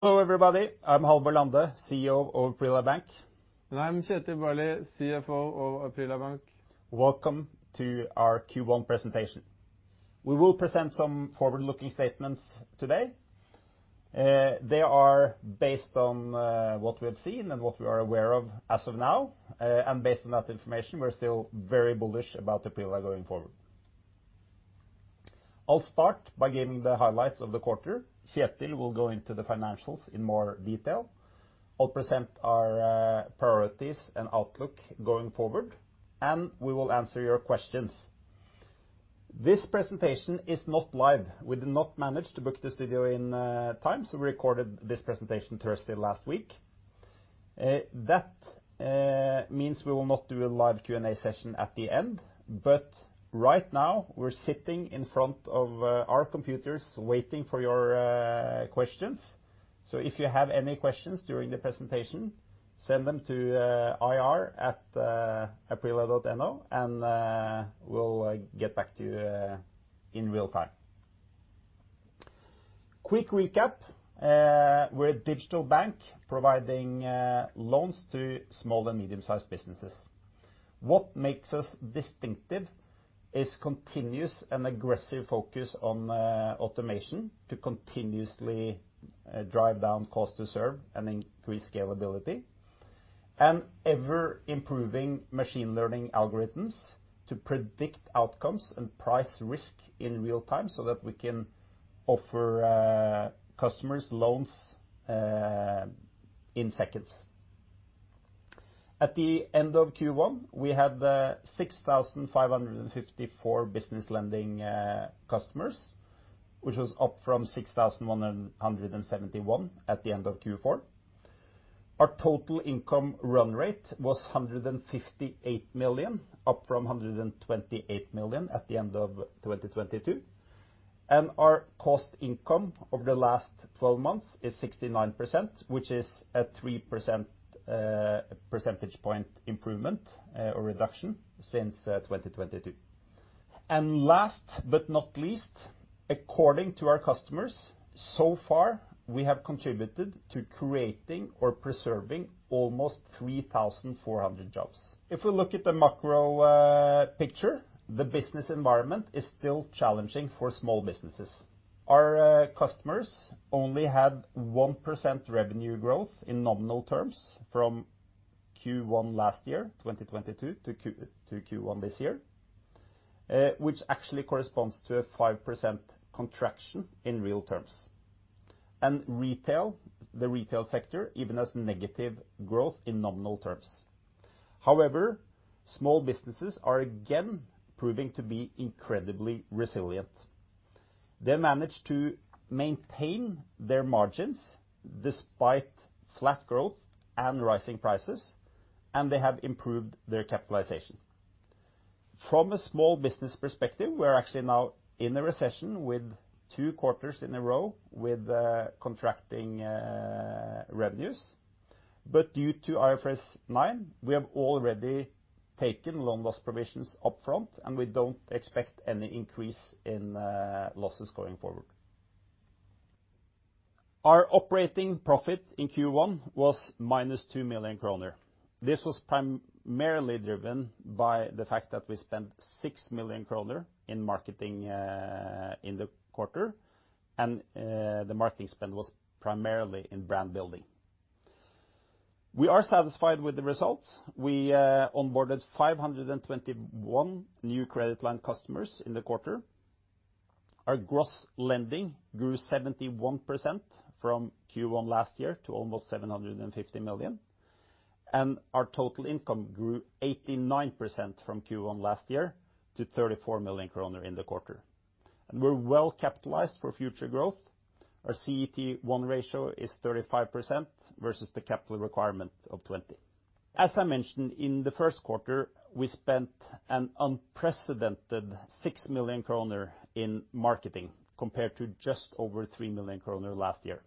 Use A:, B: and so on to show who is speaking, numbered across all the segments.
A: Hello, everybody. I'm Halvor Lande, CEO of Aprila Bank.
B: I'm Kjetil Barli, CFO of Aprila Bank.
A: Welcome to our Q1 presentation. We will present some forward-looking statements today. They are based on what we have seen and what we are aware of as of now. Based on that information, we're still very bullish about Aprila going forward. I'll start by giving the highlights of the quarter. Kjetil will go into the financials in more detail. I'll present our priorities and outlook going forward, and we will answer your questions. This presentation is not live. We did not manage to book the studio in time, so we recorded this presentation Thursday last week. That means we will not do a live Q&A session at the end. Right now, we're sitting in front of our computers waiting for your questions. If you have any questions during the presentation, send them to ir@aprila.no and we'll get back to you in real time. Quick recap. We're a digital bank providing loans to small and medium-sized businesses. What makes us distinctive is continuous and aggressive focus on automation to continuously drive down cost to serve and increase scalability. Ever improving machine learning algorithms to predict outcomes and price risk in real-time so that we can offer customers loans in seconds. At the end of Q1, we had 6,554 business lending customers, which was up from 6,171 at the end of Q4. Our total income run rate was 158 million, up from 128 million at the end of 2022. Our cost income over the last 12 months is 69%, which is at 3% percentage point improvement or reduction since 2022. Last but not least, according to our customers, so far, we have contributed to creating or preserving almost 3,400 jobs. We look at the macro picture, the business environment is still challenging for small businesses. Our customers only had 1% revenue growth in nominal terms from Q1 last year, 2022 to Q1 this year, which actually corresponds to a 5% contraction in real terms. Retail, the retail sector, even as negative growth in nominal terms. However, small businesses are again proving to be incredibly resilient. They managed to maintain their margins despite flat growth and rising prices, and they have improved their capitalization. From a small business perspective, we're actually now in a recession with two quarters in a row with contracting revenues. Due to IFRS 9, we have already taken loan loss provisions upfront, and we don't expect any increase in losses going forward. Our operating profit in Q1 was minus 2 million kroner. This was primarily driven by the fact that we spent 6 million kroner in marketing in the quarter, and the marketing spend was primarily in brand building. We are satisfied with the results. We onboarded 521 new credit line customers in the quarter. Our gross lending grew 71% from Q1 last year to almost 750 million. Our total income grew 89% from Q1 last year to 34 million kroner in the quarter. We're well capitalized for future growth. Our CET1 ratio is 35% versus the capital requirement of 20. As I mentioned, in the Q1, we spent an unprecedented 6 million kroner in marketing, compared to just over 3 million kroner last year.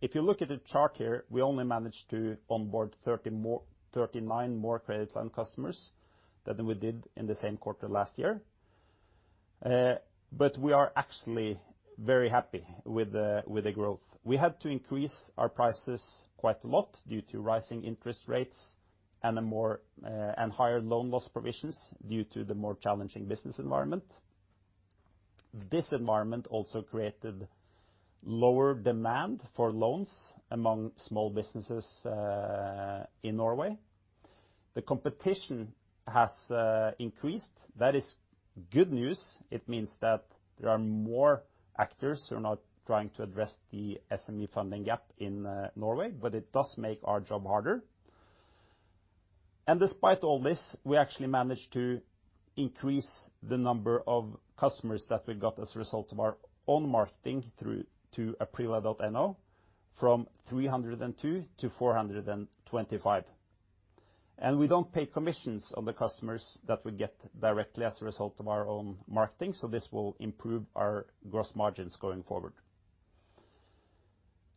A: If you look at the chart here, we only managed to onboard 39 more credit line customers than we did in the same quarter last year. We are actually very happy with the growth. We had to increase our prices quite a lot due to rising interest rates and a more higher loan loss provisions due to the more challenging business environment. This environment also created lower demand for loans among small businesses in Norway. The competition has increased. That is good news. It means that there are more actors who are now trying to address the SME funding gap in Norway, but it does make our job harder. Despite all this, we actually managed to increase the number of customers that we got as a result of our own marketing through to aprila.no from 302 to 425. We don't pay commissions on the customers that we get directly as a result of our own marketing, so this will improve our gross margins going forward.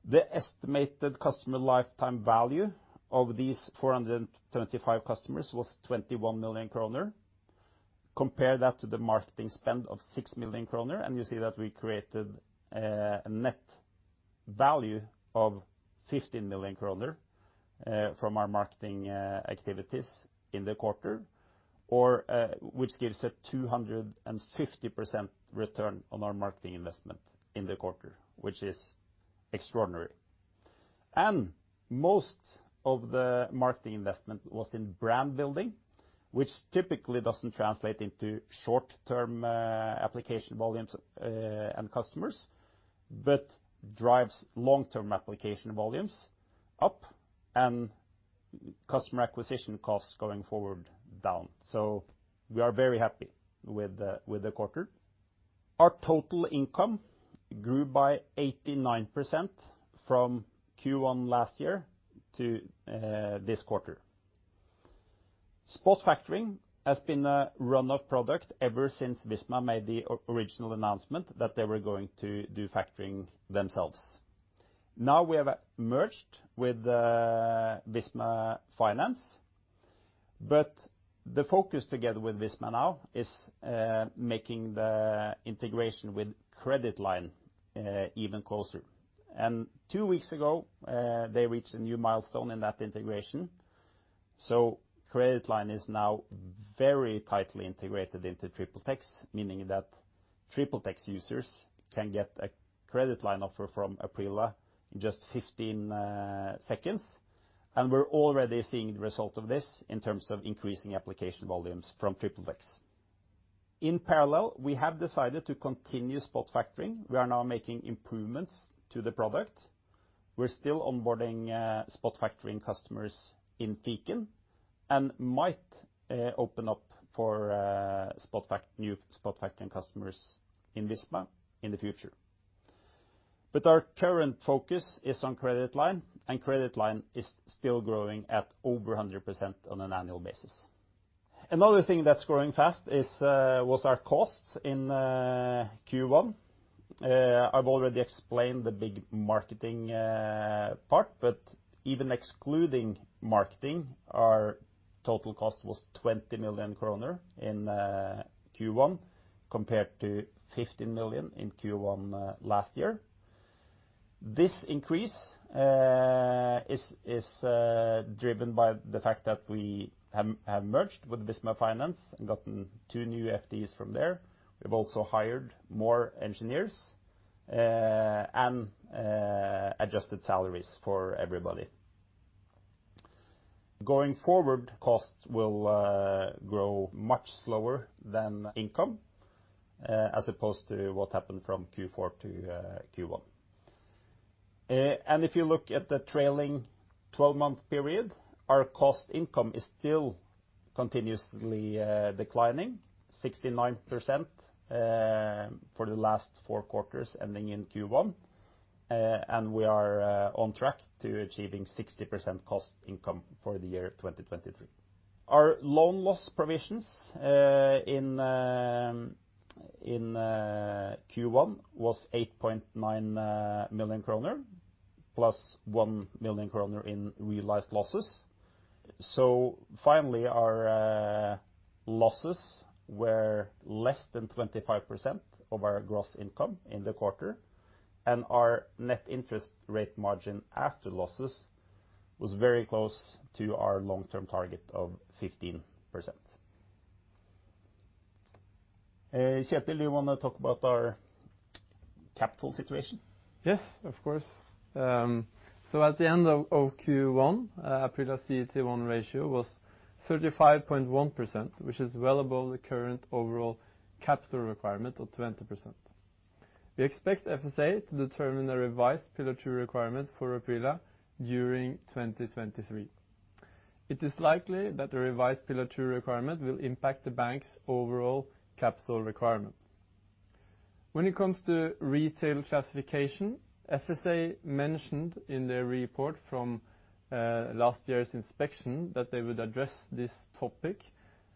A: The estimated customer lifetime value of these 425 customers was 21 million kroner. Compare that to the marketing spend of 6 million kroner and you see that we created a net value of 15 million kroner from our marketing activities in the quarter, or which gives a 250% return on our marketing investment in the quarter, which is extraordinary. Most of the marketing investment was in brand building, which typically doesn't translate into short-term application volumes and customers, but drives long-term application volumes up and customer acquisition costs going forward down. We are very happy with the quarter. Our total income grew by 89% from Q1 last year to this quarter. spot factoring has been a run-off product ever since Visma made the original announcement that they were going to do factoring themselves. Now we have merged with Visma Finance, but the focus together with Visma now is making the integration with credit line even closer. Two weeks ago, they reached a new milestone in that integration. credit line is now very tightly integrated into Tripletex, meaning that Tripletex users can get a credit line offer from Aprila in just 15 seconds. We're already seeing the result of this in terms of increasing application volumes from Tripletex. In parallel, we have decided to continue spot factoring. We are now making improvements to the product. We're still onboarding spot factoring customers in Fiken, and might open up for new spot factoring customers in Visma in the future. Our current focus is on credit line, and credit line is still growing at over 100% on an annual basis. Another thing that's growing fast is, was our costs in Q1. I've already explained the big marketing part, but even excluding marketing, our total cost was 20 million kroner in Q1, compared to 15 million in Q1 last year. This increase is driven by the fact that we have merged with Visma Finance and gotten two new FTEs from there. We've also hired more engineers and adjusted salaries for everybody. Going forward, costs will grow much slower than income, as opposed to what happened from Q4 to Q1. If you look at the trailing twelve-month period, our cost income is still continuously declining, 69% for the last four quarters, ending in Q1. We are on track to achieving 60% cost income for the year 2023. Our loan loss provisions in Q1 was 8.9 million kroner, plus 1 million kroner in realized losses. Finally, our losses were less than 25% of our gross income in the quarter, and our Net Interest Margin after losses was very close to our long-term target of 15%. Kjetil, you wanna talk about our capital situation?
B: Yes, of course. At the end of Q1, Aprila CET1 ratio was 35.1%, which is well above the current overall capital requirement of 20%. We expect FSA to determine a revised Pillar 2 requirement for Aprila during 2023. It is likely that the revised Pillar 2 requirement will impact the bank's overall capital requirement. When it comes to retail classification, FSA mentioned in their report from last year's inspection that they would address this topic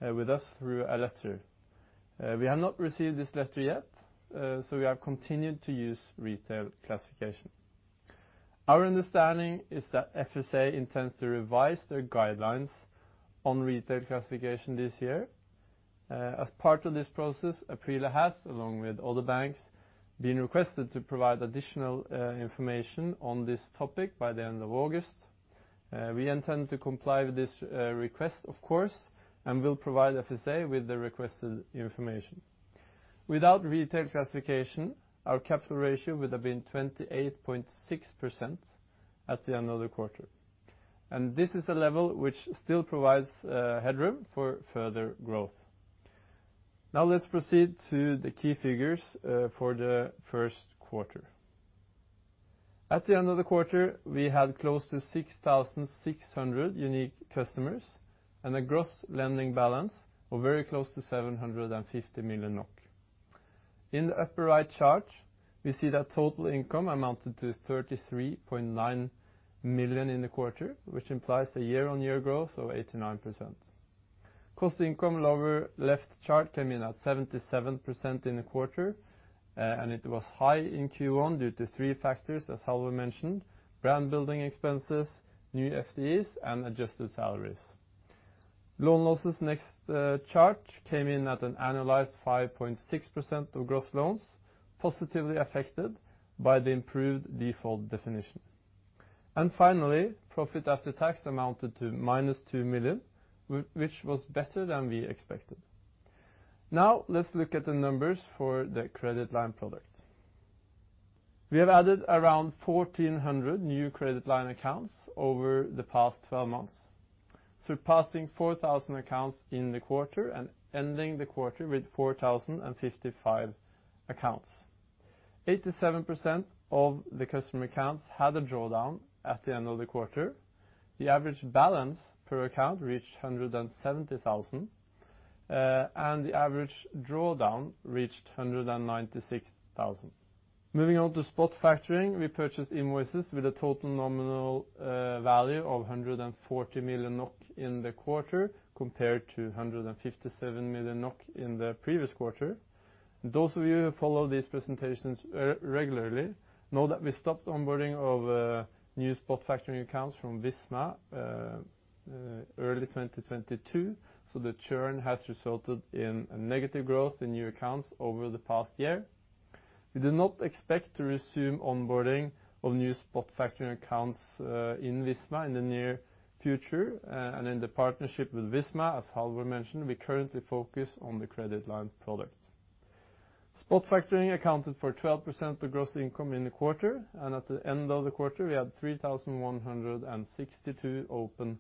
B: with us through a letter. We have not received this letter yet, so we have continued to use retail classification. Our understanding is that FSA intends to revise their guidelines on retail classification this year. As part of this process, Aprila has, along with other banks, been requested to provide additional information on this topic by the end of August. We intend to comply with this request, of course, will provide FSA with the requested information. Without retail classification, our capital ratio would have been 28.6% at the end of the quarter, this is a level which still provides headroom for further growth. Let's proceed to the key figures for the Q1. At the end of the quarter, we had close to 6,600 unique customers and a gross lending balance of very close to 750 million NOK. In the upper right chart, we see that total income amounted to 33.9 million in the quarter, which implies a year-on-year growth of 89%. Cost income, lower left chart, came in at 77% in the quarter. It was high in Q1 due to three factors, as Halvor mentioned, brand building expenses, new FTEs, and adjusted salaries. Loan losses, next chart came in at an annualized 5.6% of gross loans, positively affected by the improved default definition. Finally, profit after tax amounted to minus 2 million, which was better than we expected. Now let's look at the numbers for the credit line product. We have added around 1,400 new credit line accounts over the past 12 months, surpassing 4,000 accounts in the quarter and ending the quarter with 4,055 accounts. 87% of the customer accounts had a drawdown at the end of the quarter. The average balance per account reached 170,000, and the average drawdown reached 196,000. Moving on to spot factoring, we purchased invoices with a total nominal value of 140 million NOK in the quarter compared to 157 million NOK in the previous quarter. Those of you who follow these presentations regularly know that we stopped onboarding of new spot factoring accounts from Visma early 2022, so the churn has resulted in a negative growth in new accounts over the past year. We do not expect to resume onboarding of new spot factoring accounts in Visma in the near future. In the partnership with Visma, as Halvor mentioned, we currently focus on the credit line product. Spot factoring accounted for 12% of gross income in the quarter. At the end of the quarter, we had 3,162 open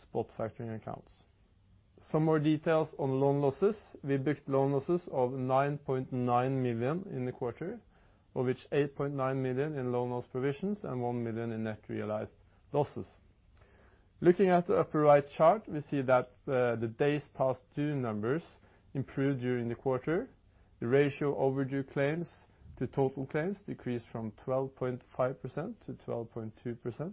B: spot factoring accounts. Some more details on loan losses. We booked loan losses of 9.9 million in the quarter, of which 8.9 million in loan loss provisions and 1 million in net realized losses. Looking at the upper right chart, we see that the Days Past Due numbers improved during the quarter. The ratio overdue claims to total claims decreased from 12.5% to 12.2%.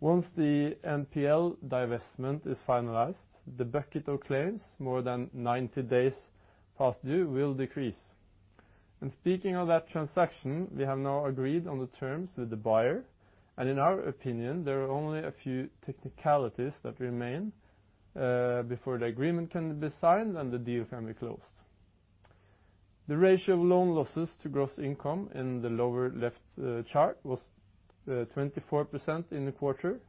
B: Once the NPL divestment is finalized, the bucket of claims more than 90 Days Past Due will decrease. Speaking of that transaction, we have now agreed on the terms with the buyer, in our opinion, there are only a few technicalities that remain before the agreement can be signed and the deal can be closed. The ratio of loan losses to gross income in the lower left chart was 24% in the quarter.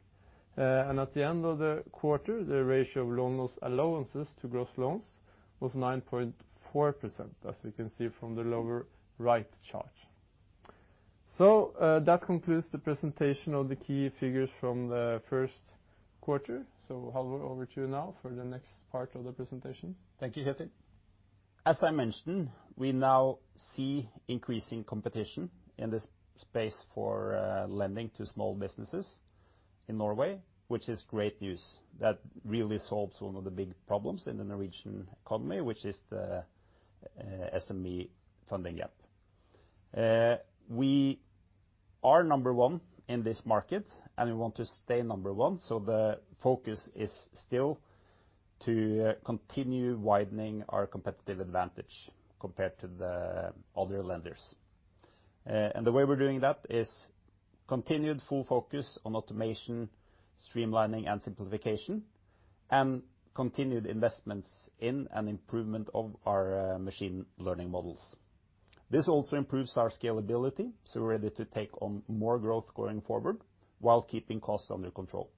B: At the end of the quarter, the ratio of loan loss allowances to gross loans was 9.4%, as you can see from the lower right chart. That concludes the presentation of the key figures from the Q1. Halvor, over to you now for the next part of the presentation.
A: Thank you, Kjetil. As I mentioned, we now see increasing competition in this space for lending to small businesses in Norway, which is great news. That really solves one of the big problems in the Norwegian economy, which is the SME funding gap. We are number one in this market, and we want to stay number one, so the focus is still to continue widening our competitive advantage compared to the other lenders. The way we're doing that is continued full focus on automation, streamlining, and simplification, and continued investments in and improvement of our machine learning models. This also improves our scalability, so we're ready to take on more growth going forward while keeping costs under control.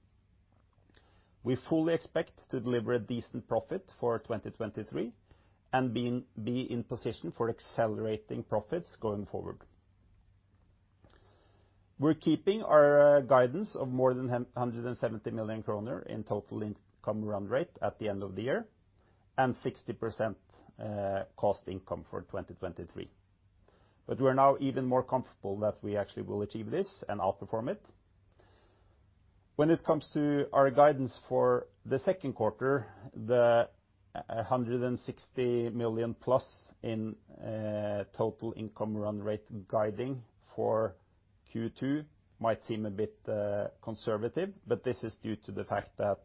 A: We fully expect to deliver a decent profit for 2023 and be in position for accelerating profits going forward. We're keeping our guidance of more than 170 million kroner in total income run rate at the end of the year and 60% Cost-to-Income Ratio for 2023. We are now even more comfortable that we actually will achieve this and outperform it. When it comes to our guidance for the Q2, the 160 million+ in total income run rate guiding for Q2 might seem a bit conservative, but this is due to the fact that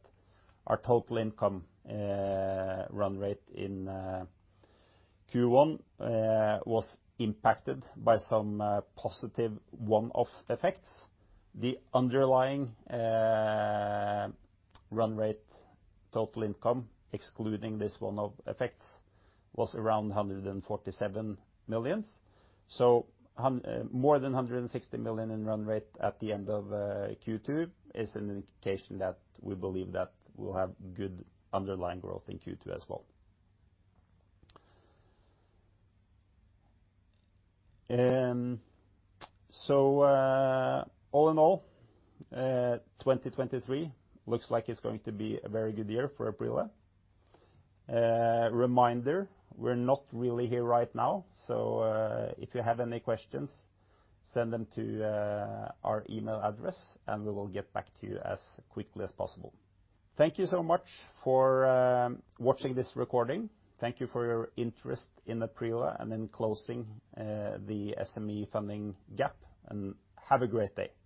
A: our total income run rate in Q1 was impacted by some positive one-off effects. The underlying run rate total income, excluding this one-off effect, was around 147 million. More than 160 million in run rate at the end of Q2 is an indication that we believe that we'll have good underlying growth in Q2 as well. All in all, 2023 looks like it's going to be a very good year for Aprila. Reminder, we're not really here right now. If you have any questions, send them to our email address and we will get back to you as quickly as possible. Thank you so much for watching this recording. Thank you for your interest in Aprila and in closing the SME funding gap. Have a great day.